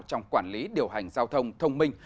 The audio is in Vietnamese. trong quản lý điều hành giao thông thông minh